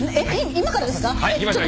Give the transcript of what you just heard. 今からですか？